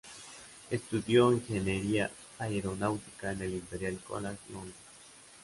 Estudió ingeniería aeronáutica en el Imperial College London.